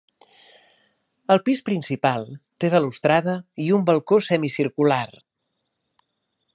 El pis principal té balustrada i un balcó semicircular.